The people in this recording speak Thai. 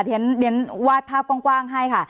ฉันวาดภาพกว้างให้ค่ะ